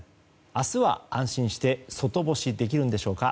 明日は、安心して外干しできるんでしょうか。